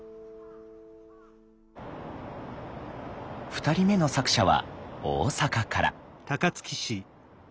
２人目の作者は大阪から。